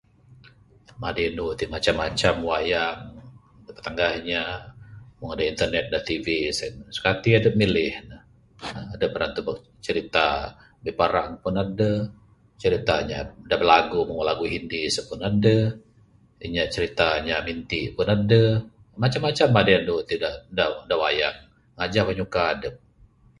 Madi anu iti macam macam wayang dog tadah inya, wang adeh internet da tv sien, sukati adep milih ne. Adep ra tubek cirita biparang pun adeh, cirita inya da bilagu Hindi seh pun adeh, inya cirita inya Hindi pun adeh. Macam macam madi anu iti ne da wayang. Ngajah pinyuka adep